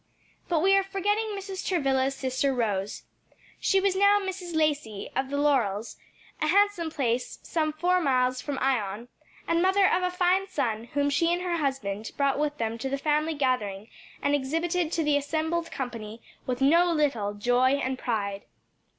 But we are forgetting Mrs. Travilla's sister Rose. She was now Mrs. Lacey, of the Laurels a handsome place some four miles from Ion and mother of a fine son, whom she and her husband brought with them to the family gathering and exhibited to the assembled company with no little joy and pride.